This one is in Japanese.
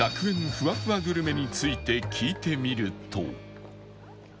ふわふわグルメについて聞いてみると